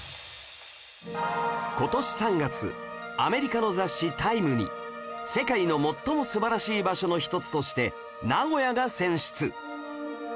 今年３月アメリカの雑誌『ＴＩＭＥ』に「世界の最も素晴らしい場所」の一つとして名古屋が選出